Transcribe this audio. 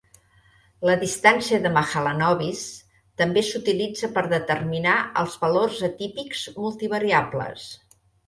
La distància de Mahalanobis també s'utilitza per determinar els valors atípics multivariables.